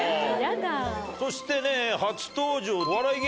そしてね初登場。